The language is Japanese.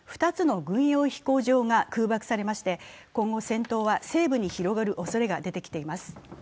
２つの軍用飛行場が空爆されまして今後、戦闘は西部に広がるおそれが出てきています。